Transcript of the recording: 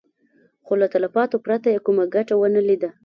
خو له تلفاتو پرته يې کومه ګټه ونه ليده.